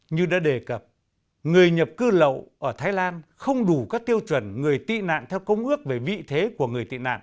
như đã đề cập người nhập cư lậu ở thái lan không đủ các tiêu chuẩn người tị nạn theo công ước về vị thế của người tị nạn